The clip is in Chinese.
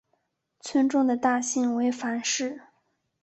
村中的大姓为樊氏。